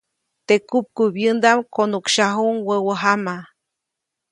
Teʼ kupkubyäŋdaʼm konuʼksyajuʼuŋ wäwä jama.